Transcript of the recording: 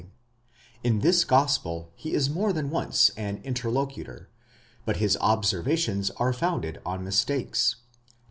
im this gospel he is more than once an interlocutor, but his observations are founded on mistakes (vi.